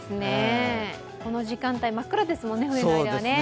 この時間帯、真っ暗ですもんね、冬の間。